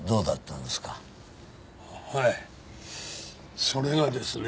はいそれがですね。